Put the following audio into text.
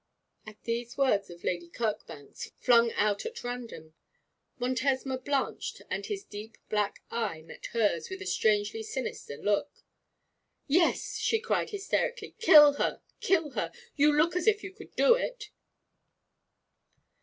At these words of Lady Kirkbank's, flung out at random, Montesma blanched, and his deep black eye met hers with a strangely sinister look. 'Yes,' she cried, hysterically 'kill her, kill her! You look as if you could do it.'